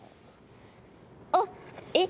あっえっ。